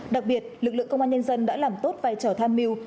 đặc biệt lực lượng công an nhân dân đã làm tốt vai trò tham mưu